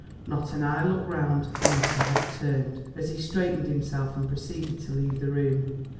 Not an eye looked round and not a head turned as he straightened himself and proceeded to leave the room.